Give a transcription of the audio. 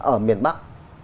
ở miền bắc